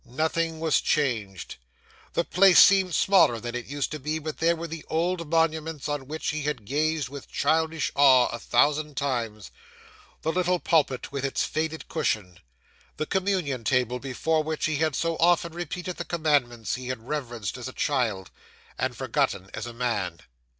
Nothing was changed. The place seemed smaller than it used to be; but there were the old monuments on which he had gazed with childish awe a thousand times; the little pulpit with its faded cushion; the Communion table before which he had so often repeated the Commandments he had reverenced as a child, and forgotten as a man.